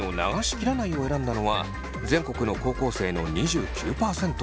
切らないを選んだのは全国の高校生の２９％。